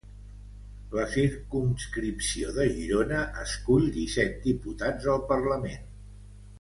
La circumscripció de Girona escull disset diputats al Parlament.